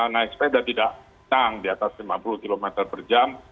naik sepeda tidak kencang di atas lima puluh km per jam